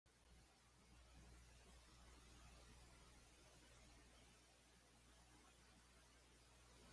La malignidad es un concepto más familiar como una caracterización del cáncer.